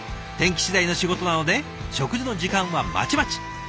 天気次第の仕事なので食事の時間はまちまち。